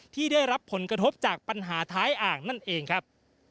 ที่ได้รับผลกระทบจากปัญหาท้ายอ่างนั่นเองครับ